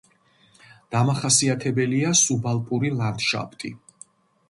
დამახასიათებელია სუბალპური ლანდშაფტი.